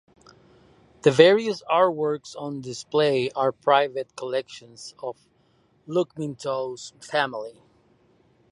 The various artworks on display are private collections of Lukminto’s family.